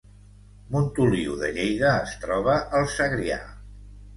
Montoliu de Lleida es troba al Segrià